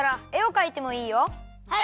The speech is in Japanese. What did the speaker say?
はい！